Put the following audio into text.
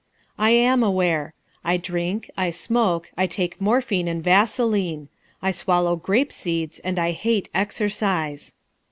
I am aware. I drink, I smoke, I take morphine and vaseline. I swallow grape seeds and I hate exercise.